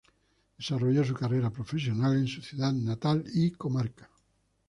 Desarrolló su carrera profesional en su ciudad natal y comarca.